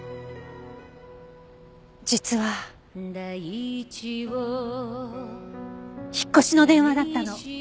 実は引っ越しの電話だったの。